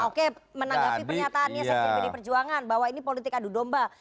oke menanggapi pernyataannya sekjen pd perjuangan bahwa ini politik adu domba